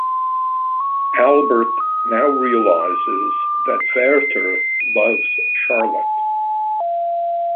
Albert now realizes that Werther loves Charlotte.